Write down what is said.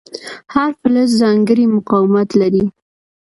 هر فلز ځانګړی مقاومت لري.